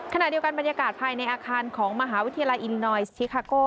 ขณะเดียวกันบรรยากาศภายในอาคารของมหาวิทยาลัยอินนอยสชิคาโก้